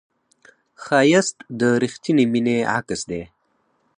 ښایست د رښتینې مینې عکس دی